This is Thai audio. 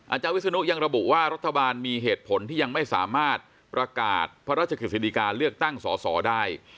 อาจารย์วิศนุยังระบุว่ารัฐบาลมีเหตุผลที่ยังไม่สามารถประกาศพระราชกฤษฎิกาเลือกตั้งสอสอได้